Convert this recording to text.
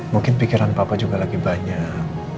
mungkin pikiran papa juga lagi banyak